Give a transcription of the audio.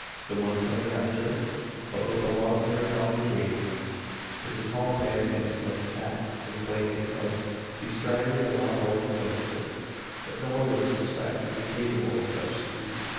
The one coming after but with a long interval between is a tall man in a slouched hat and blanket coat, bestriding a rawboned roadster, that no one would suspect to be capable of such speed.